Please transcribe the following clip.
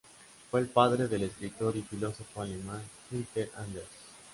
Fue el padre del escritor y filósofo alemán Günther Anders.